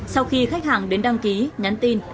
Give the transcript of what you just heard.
sau khi khách hàng đến đăng ký nhắn tin